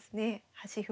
端歩